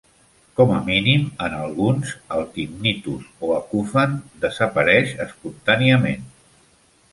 Com a mínim en alguns, el tinnitus o acufen, desapareix espontàniament.